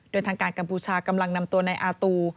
โดยทางการกัมพูชากำลังนำตัวนายอาตู